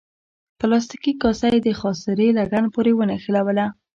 پلاستیکي کاسه یې د خاصرې لګن پورې ونښلوله.